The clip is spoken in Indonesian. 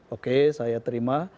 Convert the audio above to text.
oke saya terima